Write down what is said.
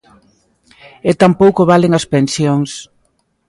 E tampouco valen as pensións.